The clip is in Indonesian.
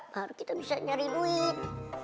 baru kita bisa nyari duit